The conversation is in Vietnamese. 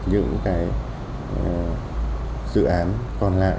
những dự án còn lại